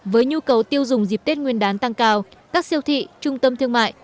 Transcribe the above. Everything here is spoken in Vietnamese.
với nhu cầu tiêu dùng dịp tết nguyên đán tăng cao các siêu thị trung tâm thương mại